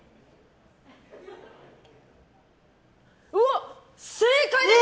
うわ、正解です！